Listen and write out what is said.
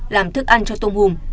làm thức ăn cho tôm hùng